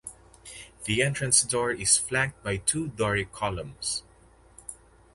The entrance door is flanked by two Doric columns.